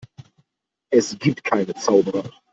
Es gibt keine Zauberer.